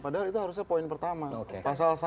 padahal itu harusnya poin pertama pasal satu